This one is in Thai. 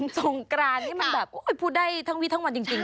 สงกรานนี่มันแบบพูดได้ทั้งวิทั้งวันจริง